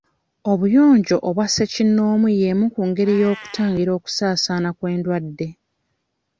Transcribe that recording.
Obuyonjo obwa ssekinomu y'emu ku ngeri ey'okutangira okusaasaana kw'endwadde.